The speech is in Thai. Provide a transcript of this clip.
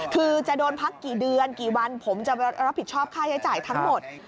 คือจะโดนพักกี่เดือนกี่วันผมจะรับผิดชอบค่าใช้จ่ายทั้งหมด